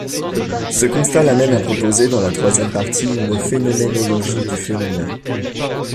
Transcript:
Ce constat l'amène à proposer, dans la troisième partie, une phénoménologie du féminin.